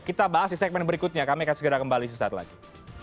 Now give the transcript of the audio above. kita bahas di segmen berikutnya kami akan segera kembali sesaat lagi